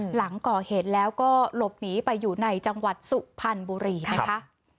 หลังก่อเหตุแล้วก็หลบหนีไปอยู่ในจังหวัดสุพรรณบุรีนะคะ